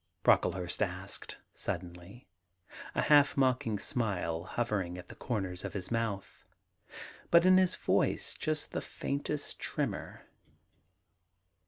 ' Brocklehurst asked suddenly, a half mocking smile hovering at the comers of his mouth, but in his voice just the faintest tremor.